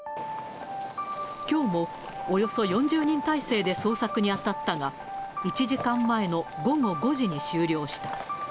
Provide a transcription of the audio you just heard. きょうもおよそ４０人態勢で捜索に当たったが、１時間前の午後５時に終了した。